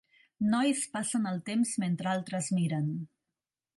Nois passen el temps mentre altres miren.